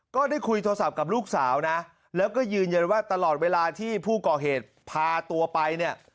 ก็ได้คุยโทรศัพท์กับลูกสาวนะแล้วก็ยืนยันว่าตลอดเวลาที่ผู้ก่อเหตุพาตัวไปเนี่ย